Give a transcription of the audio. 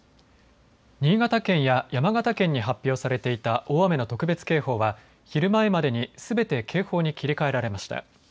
新潟県や山形県に発表されていた大雨の特別警報は昼前までにすべて警報に切り替えられました。